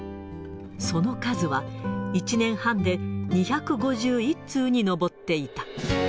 その数は、１年半で２５１通に上っていた。